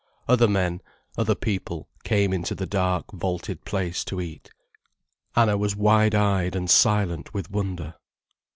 Other men, other people, came into the dark, vaulted place, to eat. Anna was wide eyed and silent with wonder.